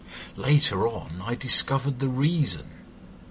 Later on I discovered the reason.